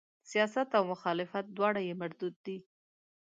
سیاست او مخالفت دواړه یې مردود دي.